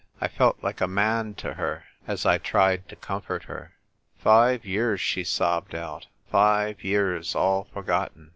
I felt like a man to her as I tried to comfort her. " Five years," she sobbed out :" five years — all forgotten